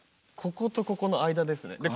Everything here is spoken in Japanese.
こことここの間ですね。